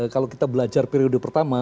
kalau kita belajar periode pertama